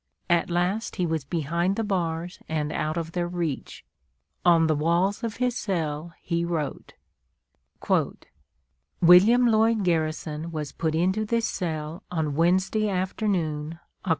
At last he was behind the bars and out of their reach. On the walls of his cell he wrote: "William Lloyd Garrison was put into this cell on Wednesday afternoon, Oct.